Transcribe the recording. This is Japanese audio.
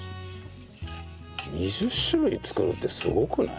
２０種類作るってすごくない？